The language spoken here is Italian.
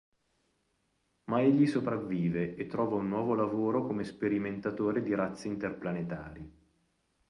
Ma egli sopravvive e trova un nuovo lavoro come sperimentatore di razzi interplanetari.